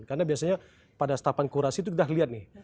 karena biasanya pada setapan kurasi itu kita lihat nih